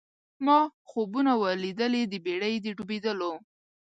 ما خوبونه وه لیدلي د بېړۍ د ډوبېدلو